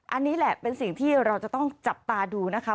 อันนี้แหละเป็นสิ่งที่เราจะต้องจับตาดูนะคะ